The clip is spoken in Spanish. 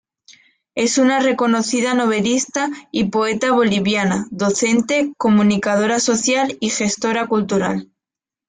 Es una reconocida novelista y poeta boliviana, docente, comunicadora social y gestora cultural.